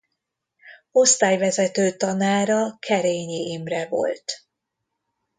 Osztályvezető tanára Kerényi Imre volt.